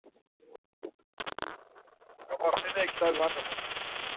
Gamaxtimeri kitabi var miğun.